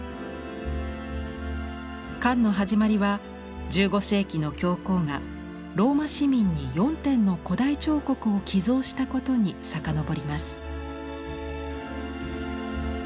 館の始まりは１５世紀の教皇がローマ市民に４点の古代彫刻を寄贈したことに遡ります。